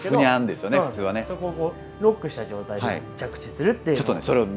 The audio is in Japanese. そこをロックした状態で着地する。